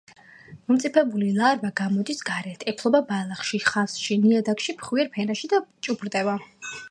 მომწიფებული ლარვა გამოდის გარეთ, ეფლობა ბალახში, ხავსში, ნიადაგის ფხვიერ ფენაში და ჭუპრდება.